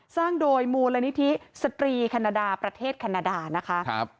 สร้างโดยมูลนิธิสตรีแคนาดาประเทศแคนาดานะคะ